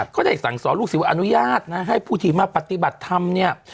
เขาได้สั่งสอนลูกศิษว่าอนุญาตนะให้ผู้ที่มาปฏิบัติธรรมเนี่ย